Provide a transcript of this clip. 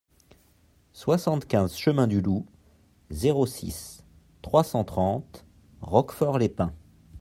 soixante-quinze chemin du Loup, zéro six, trois cent trente Roquefort-les-Pins